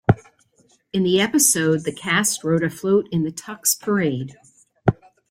In the episode, the cast rode a float in the Tucks Parade.